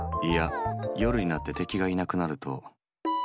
いや夜になって敵がいなくなると。